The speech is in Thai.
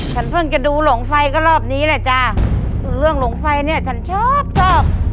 ฉันเพิ่งจะดูหลงไฟก็รอบนี้แหละจ้ะเรื่องหลงไฟเนี่ยฉันชอบชอบ